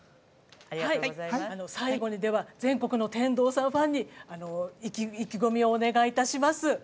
最後に全国の天童さんファンに意気込みをお願いいたします。